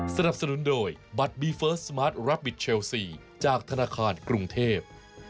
สนับสนุนโดยบัตรบีเฟิร์สสมาร์ทรับบิทเชลซีจากธนาคารกรุงเทพ